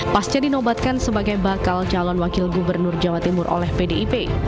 pasca dinobatkan sebagai bakal calon wakil gubernur jawa timur oleh pdip